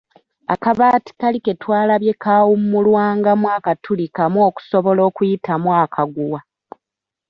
Akabaati kali ke twalabye kaawummulwangamu akatuli kamu omusobola okuyitamu akaguwa.